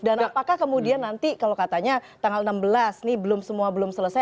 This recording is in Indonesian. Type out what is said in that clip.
dan apakah kemudian nanti kalau katanya tanggal enam belas ini belum semua belum selesai